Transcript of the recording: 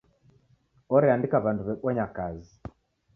Oreandika w'andu w'ebonya kazi.